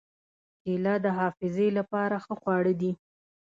کېله د حافظې له پاره ښه خواړه ده.